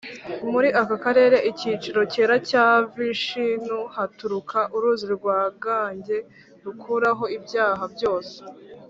“muri aka karere [icyicaro cyera cya vishinu] haturuka uruzi rwa gange rukuraho ibyaha byose